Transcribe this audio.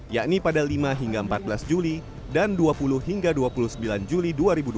yakni pada lima hingga empat belas juli dan dua puluh hingga dua puluh sembilan juli dua ribu dua puluh